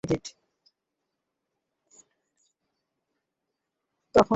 তখন আইসিসির বিজ্ঞাপনী সংস্থা হিসেবে মনোনীত ছিল গ্রে অ্যাডভারটাইজিং বাংলাদেশ লিমিটেড।